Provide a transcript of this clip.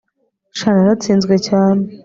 sha naratsinzwe cyane